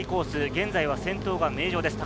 現在は先頭が名城です。